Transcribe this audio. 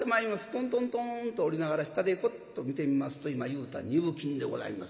トントントンッと下りながら下でふっと見てみますと今言うた二分金でございますから驚いた。